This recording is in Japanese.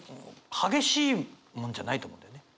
激しいもんじゃないと思うんだよね。